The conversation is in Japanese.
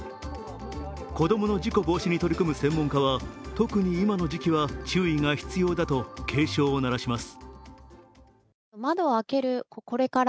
子供の事故防止に取り組む専門家は特に今の時期は注意が必要だと警鐘を鳴らします。